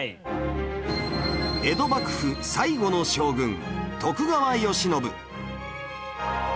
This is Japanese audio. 江戸幕府最後の将軍徳川慶喜